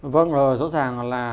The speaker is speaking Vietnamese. vâng rõ ràng là